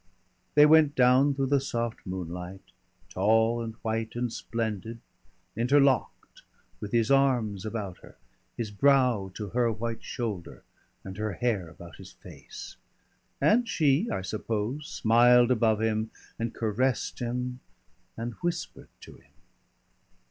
They went down through the soft moonlight, tall and white and splendid, interlocked, with his arms about her, his brow to her white shoulder and her hair about his face. And she, I suppose, smiled above him and caressed him and whispered to him.